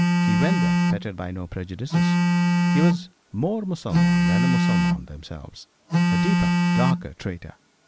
He went there fettered by no prejudices he was more Mussulman than the Mussulmen themselves a deeper, darker traitor.